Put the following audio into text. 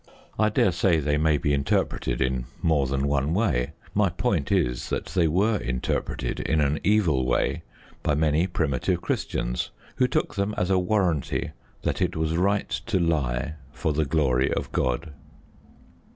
I daresay they may be interpreted in more than one way: my point is that they were interpreted in an evil way by many primitive Christians, who took them as a warranty that it was right to lie for the glory of God.